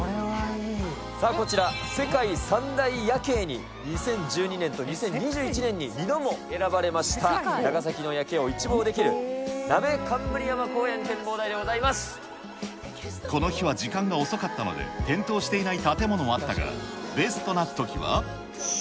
さあ、こちら世界三大夜景に、２０１２年と２０２１年に２度も選ばれました、長崎の夜景を一望できる、この日は時間が遅かったので、点灯していない建物もあったが、ベストなときは。